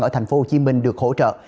ở thành phố hồ chí minh được hỗ trợ